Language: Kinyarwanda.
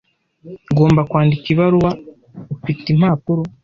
Ngomba kwandika ibaruwa. Ufite impapuro?